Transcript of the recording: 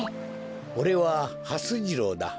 おれははす次郎だ。